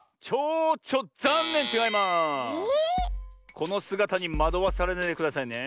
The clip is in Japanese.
このすがたにまどわされないでくださいね。